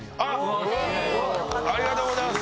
ありがとうございます！